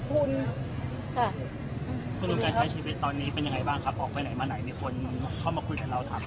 ออกไปไหนมาไหนมีคนเข้ามาคุยกับเรา